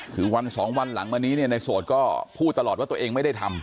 คือวันสองวันหลังมานี้เนี่ยในโสดก็พูดตลอดว่าตัวเองไม่ได้ทำ